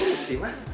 mirip sih ma